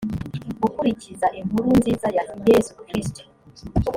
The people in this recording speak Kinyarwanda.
gukurikiza inkuru nziza ya yezu kristu